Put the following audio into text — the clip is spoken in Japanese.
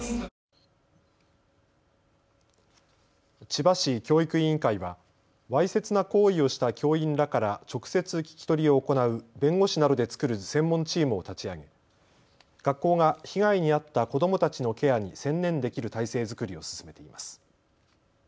千葉市教育委員会は、わいせつな行為をした教員らから直接聞き取りを行う弁護士などで作る専門チームを立ち上げ学校が被害に遭った子どもたちのケアに専念できる態勢作りを進めています。